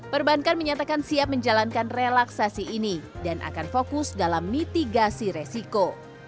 perbankan menyatakan siap menjalankan relaksasi ini dan akan fokus dalam mitigasi resiko